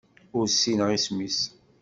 Ur ssineɣ isem-is.